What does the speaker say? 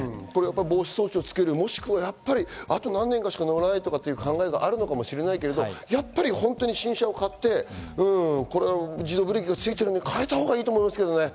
防止装置をつける、もしくはあと何年かしか乗らないという考えがあるかもしれないけど、やっぱり本当に新車を買って自動ブレーキがついてるのに換えたほうがいいと思いますけどね。